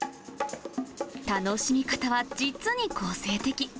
楽しみ方は実に個性的。